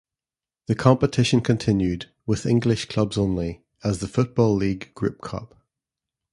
The competition continued, with English clubs only, as the Football League Group Cup.